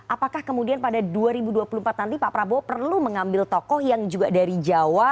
apakah kemudian pada dua ribu dua puluh empat nanti pak prabowo perlu mengambil tokoh yang juga dari jawa